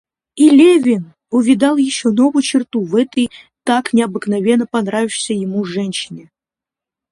И Левин увидал еще новую черту в этой так необыкновенно понравившейся ему женщине.